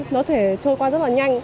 nó có thể trôi qua rất là nhanh